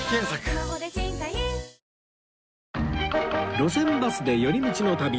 『路線バスで寄り道の旅』